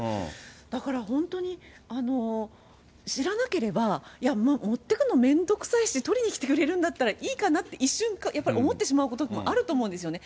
だから本当に知らなければ、いや、持っていくのめんどくさいし、取りに来てくれるんだったらいいかなって、一瞬、やっぱり思ってしまうこともあると思うんですよね。